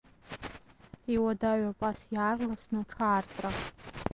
Иуадаҩуп ас иаарласны аҽаартра.